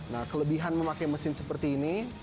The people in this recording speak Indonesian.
nah kelebihan memakai mesin seperti ini